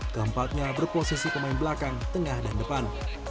keempatnya berposisi pemain belakang tengah dan depan